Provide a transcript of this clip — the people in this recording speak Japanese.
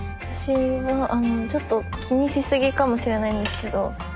私はちょっと気にしすぎかもしれないんですけど